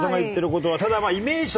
ただ。